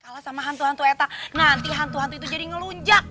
kalah sama hantu hantu eta nanti hantu hantu itu jadi ngelunjak